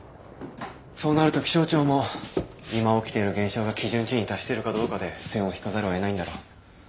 そうなると気象庁も今起きている現象が基準値に達してるかどうかで線を引かざるをえないんだろう。